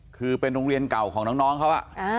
คือเป็นโรงเรียนเก่าของน้องเขา